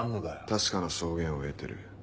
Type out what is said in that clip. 確かな証言を得てる。